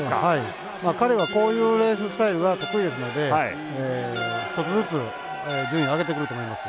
彼は、こういうレーススタイルは得意ですので１つずつ順位を上げてくると思います。